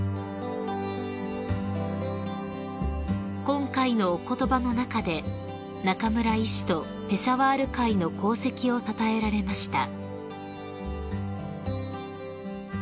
［今回のお言葉の中で中村医師とペシャワール会の功績をたたえられました］